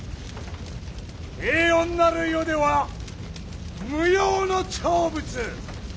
平穏なる世では無用の長物！